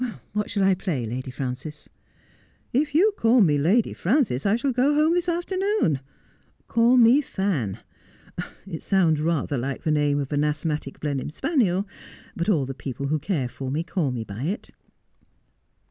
' What shall I play, Lady Frances ?'' If you call me Lady Frances I shall go home this afternoon. Call me Fan. It sounds rather like the name of an asthmatic Blenheim spaniel, but all the people who care for me call me by it.'